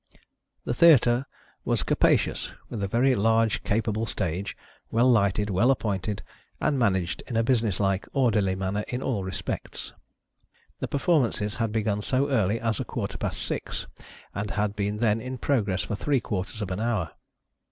The Theatre was capacious with a very large capable stage, well lighted, well appointed, and managed in a businesslike, orderly manner in all respects ; the performances had begun so early as a quarter past six, and had been then in progress for three quarters of an hour.